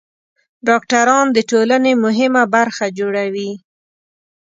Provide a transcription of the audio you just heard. ډاکټران د ټولنې مهمه برخه جوړوي.